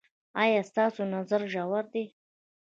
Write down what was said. ایا ستاسو نظر ژور دی؟